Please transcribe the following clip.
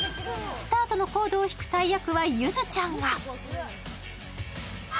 スタートのコードを引く大役はゆずちゃんが。